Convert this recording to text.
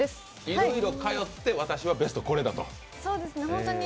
いろいろ通って、私のベストはこれだと。